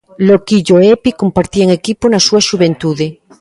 Loquillo e Epi compartían equipo na súa xuventude.